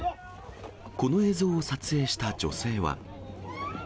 この映像を撮影した女性は。